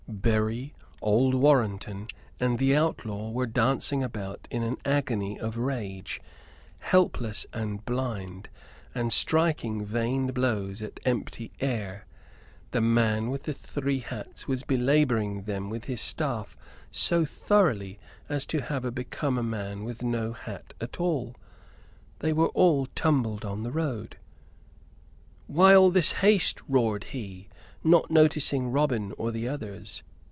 Berry, old Warrenton, and the outlaw were dancing about in an agony of rage, helpless and blind, and striking vain blows at empty air. The man with the three hats was belaboring them with his staff so thoroughly as to have become a man with no hat at all. They all were tumbled upon the road. "Why all this haste?" roared he, not noticing Robin or the others.